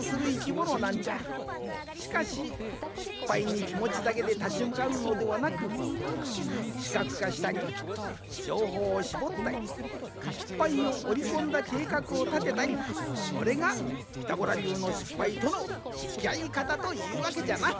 しかし失敗にきもちだけでたちむかうのではなく視覚化したり情報をしぼったり失敗をおりこんだ計画をたてたりこれが「ピタゴラ」りゅうの失敗とのつきあいかたというわけじゃな。